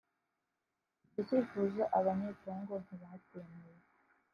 Icyo cyifuzo Abanyekongo ntibacyemeye